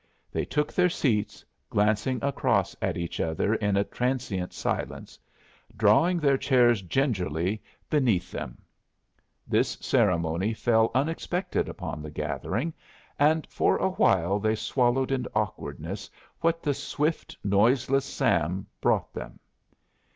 They took their seats, glancing across at each other in a transient silence, drawing their chairs gingerly beneath them. Thus ceremony fell unexpected upon the gathering, and for a while they swallowed in awkwardness what the swift, noiseless Sam brought them.